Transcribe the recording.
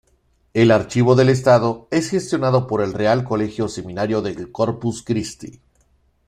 El archivo del Estado es gestionado por el Real Colegio Seminario del Corpus Christi.